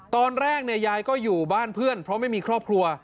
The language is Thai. ตอนแรกยายก็อยู่บ้านเพื่อนเพราะไม่มีครอบครัว